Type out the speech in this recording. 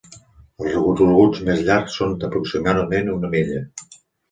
Els recorreguts més llargs són d'aproximadament una milla.